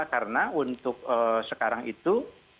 karena untuk sekarang itu